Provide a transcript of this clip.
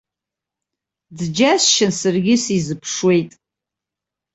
Дџьасшьан саргьы сизыԥшуеит.